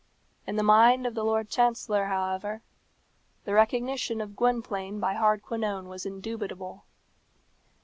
In the mind of the Lord Chancellor, however, the recognition of Gwynplaine by Hardquanonne was indubitable.